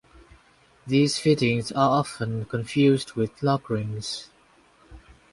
These fittings are often confused with lockrings.